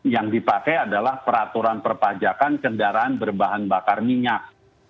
yang dipakai adalah peraturan perpajakan kendaraan berbahan bakar minyak